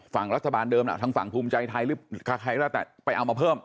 ฝั่งรัฐบาลเดิมน่ะทั้งฝั่งภูมิใจไทยหรือใครไปเอามาเพิ่ม